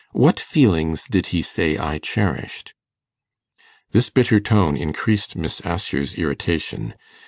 'What feelings did he say I cherished?' This bitter tone increased Miss Assher's irritation.